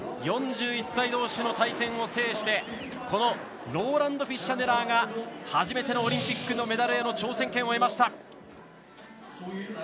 ４１歳どうしの対戦を制してこのローランド・フィッシャネラーが初めてのオリンピックのメダルへの挑戦権を得ました。